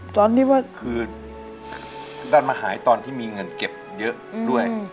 ตอนที่ว่าคือดันมาหายตอนที่มีเงินเก็บเยอะด้วย